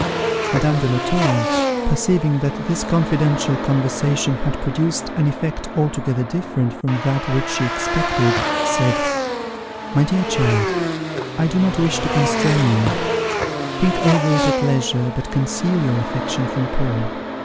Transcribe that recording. Madame de la Tour, perceiving that this confidential conversation had produced an effect altogether different from that which she expected, said, "My dear child, I do not wish to constrain you; think over it at leisure, but conceal your affection from Paul.